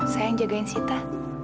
sayang jagain sita